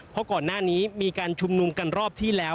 เพราะก่อนหน้านี้มีการชุมนุมกันรอบที่แล้ว